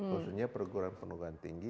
maksudnya perguruan perguruan tinggi